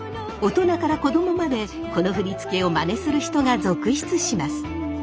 大人から子供までこの振り付けをマネする人が続出します。